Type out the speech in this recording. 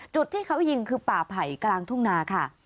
จุดที่เขายิงคือป่าไผ่กลางทุ่งนาค่ะ